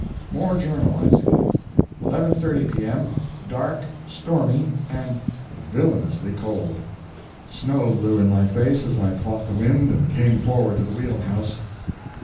MORE JOURNALIZING "11: 30 P.M.—Dark, stormy, and villainously cold. Snow blew in my face as I fought the wind, and came forward to the wheelhouse.